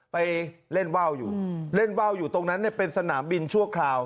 ไปเล่นว่าวอยู่เล่นว่าวอยู่ตรงนั้นเป็นสนามบินชั่วคราว